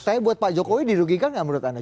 tapi buat pak jokowi dirugikan gak menurut anda